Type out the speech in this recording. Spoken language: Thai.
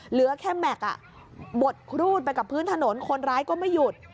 เหลือแค่แม็กซ์บดครูดไปกับพื้นถนนคนร้ายก็ไม่หยุด